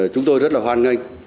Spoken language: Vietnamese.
chúng tôi rất là hoan nghênh